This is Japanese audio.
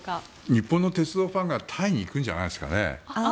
日本の鉄道ファンがタイに行くんじゃないですかね。